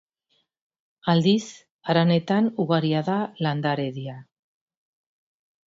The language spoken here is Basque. Aldiz, haranetan ugaria da landaredia.